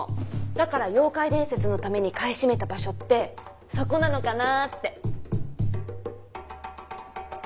だから妖怪伝説のために買い占めた「場所」ってそこなのかなーって。